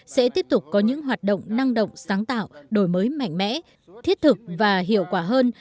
sẽ tiếp tục có những hoạt động năng động sáng tạo đổi mới mạnh mẽ thiết thực và hiệu quả hơn